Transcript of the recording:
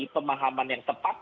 pemahaman yang tepat